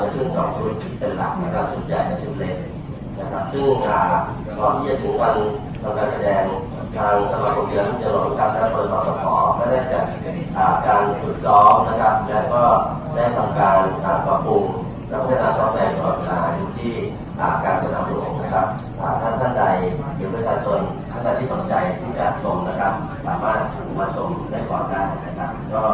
ซึ่งเราได้เตรียมจนหลังแมคทารีไว้สามพันห้าร้อยก่อนที่จะบินได้หลายรอบนะครับ